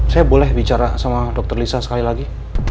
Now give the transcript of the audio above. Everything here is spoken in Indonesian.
saya boleh bicara sama dokter lisa sekali lagi